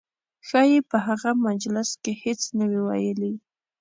ښایي په هغه مجلس کې هېڅ نه وي ویلي.